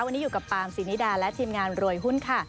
วันนี้อยู่กับปามสินิดาและทีมงานรวยหุ้นค่ะ